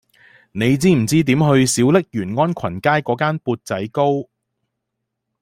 你知唔知點去小瀝源安群街嗰間缽仔糕